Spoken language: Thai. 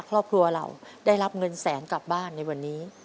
ครอบครัวเราได้รับเงินแสนกลับบ้านในวันนี้